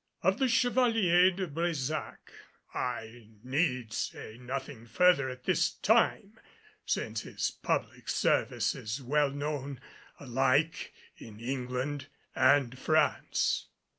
Of the Chevalier de Brésac, I need say nothing further at this time, since his public service is well known alike in England and France.